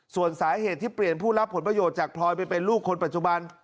ส่วนสาเหตุที่เปลี่ยนผู้รับผลประโยชน์จากพลอยไปเป็นลูกคนปัจจุบัน